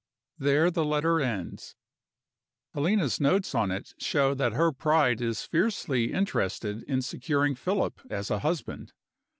....... There the letter ends. Helena's notes on it show that her pride is fiercely interested in securing Philip as a husband.